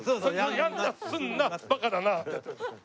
「やんなすんなバカだなあ」ってやってる。